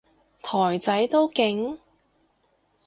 台仔都勁？